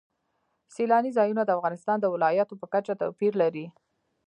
سیلانی ځایونه د افغانستان د ولایاتو په کچه توپیر لري.